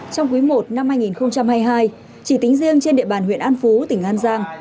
trong quý i năm hai nghìn hai mươi hai chỉ tính riêng trên địa bàn huyện an phú tỉnh an giang